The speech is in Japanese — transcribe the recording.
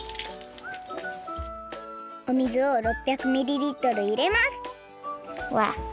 お水を６００ミリリットルいれますわあ！